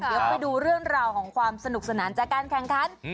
เดี๋ยวไปดูเรื่องราวของความสนุกสนานจากการแข่งขัน